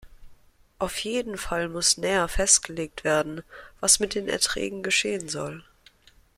Auf jeden Fall muss näher festgelegt werden, was mit den Erträgen geschehen soll.